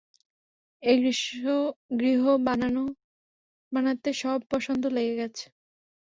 এই গ্রীষ্মগৃহ বানাতে সব বসন্ত লেগে গেছে।